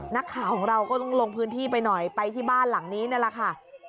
นักข่าวของเราก็ต้องลงพื้นที่ไปหน่อยไปที่บ้านหลังนี้นั่นแหละค่ะ